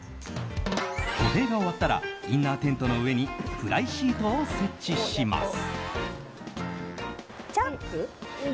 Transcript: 固定が終わったらインナーテントの上にフライシートを設置します。